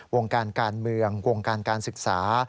วงการการเมืองวงการการศึกษา